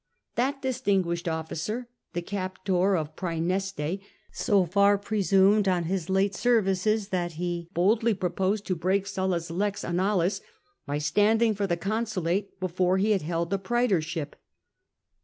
That distinguished officer, the captor of Praeneste, so far presumed on his late services that he boldly proposed to break Sulla's Lex A.n%cdis by standing for the consulate before he had held the praetorship.